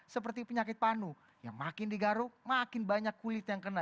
seperti penyakit panu yang makin digaruk makin banyak kulit yang kena